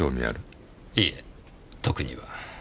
いえ特には。